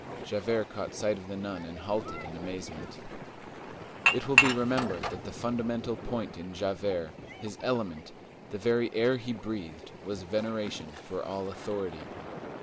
Javert caught sight of the nun and halted in amazement. It will be remembered that the fundamental point in Javert, his element, the very air he breathed, was veneration for all authority.